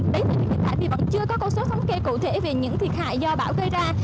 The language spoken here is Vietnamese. đấy thì hiện tại vẫn chưa có câu số thống kê cụ thể về những thiệt hại do bão gây ra